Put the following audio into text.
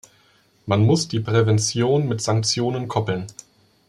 Man muss die Prävention mit Sanktionen koppeln.